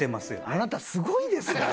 あなたすごいですね！